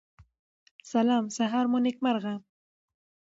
سلام سهار مو نیکمرغه